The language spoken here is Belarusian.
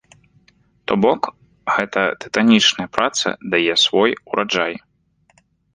То бок, гэтая тытанічная праца дае свой ураджай.